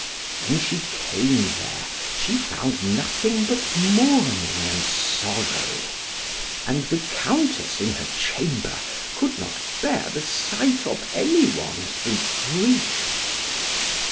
When she came there, she found nothing but mourning, and sorrow; and the Countess in her chamber could not bear the sight of any one through grief.